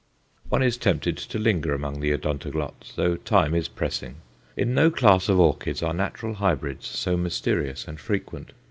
One is tempted to linger among the Odontoglots, though time is pressing. In no class of orchids are natural hybrids so mysterious and frequent.